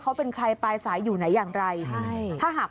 เขาได้รับออเดอร์แล้วเขาก็มากระจาย